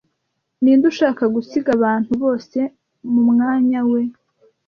ninde ushaka gusiga abantu bose mumwanya we